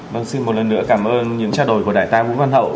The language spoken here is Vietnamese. vâng xin một lần nữa cảm ơn những trao đổi của đại tá vũ văn hậu